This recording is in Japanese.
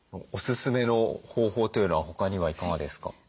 おすすめの方法というのは他にはいかがですか？